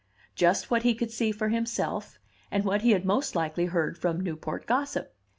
Just what he could see for himself, and what he had most likely heard from Newport gossip.